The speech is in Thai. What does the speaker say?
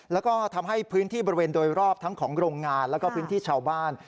แล้วก็ทำให้พื้นที่บริเวณโดยรอบทั้งของโรงงานแล้วก็พื้นที่ชาวบ้าน